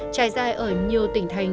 trải dài ở nhiều tỉnh thành